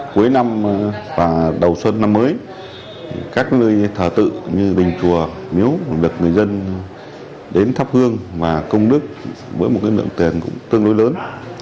cuối năm và đầu xuân năm mới các nơi thờ tự như đình chùa miếu được người dân đến thắp hương và công đức với một lượng tiền cũng tương đối lớn